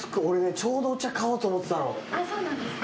俺ねちょうどお茶買おうと思ってたの。